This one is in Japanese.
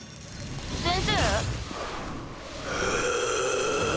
先生？